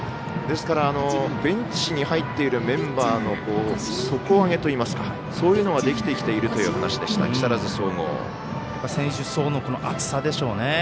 ですから、ベンチに入っているメンバーの底上げといいますかそういうのができてきているという話でした選手層の厚さでしょうね。